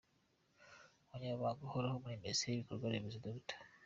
Umunyamabanga Uhoraho muri Minisiteri y’Ibikorwaremezo, Dr.